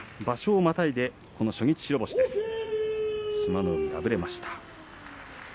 場所をまたいで初日白星です。